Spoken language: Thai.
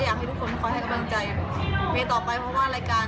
อยากทุกคนติดตามโดยงานของเมย์นะคะ